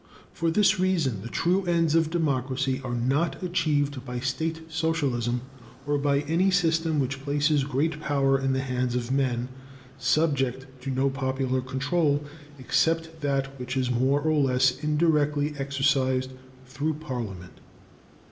For this reason, the true ends of democracy are not achieved by state socialism or by any system which places great power in the hands of men subject to no popular control except that which is more or less indirectly exercised through parliament.